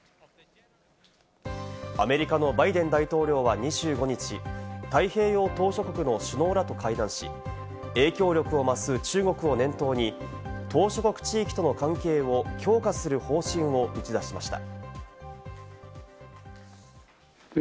アメリカのバイデン大統領は２５日、太平洋島しょ国の首脳らと会談し、影響力を増す中国を念頭に島しょ国地域との関係を強化する方針を打ち出しました。